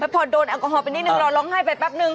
พอโดนแอลกอฮอลไปนิดนึงเราร้องไห้ไปแป๊บนึง